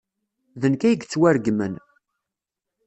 D nekk ay yettwaregmen.